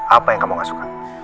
apa yang kamu gak suka